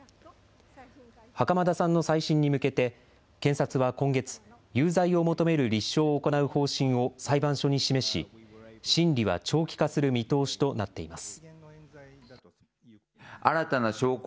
袴田さんの再審に向けて、検察は今月、有罪を求める立証を行う方針を裁判所に示し、審理は長期化する見通しとなっています。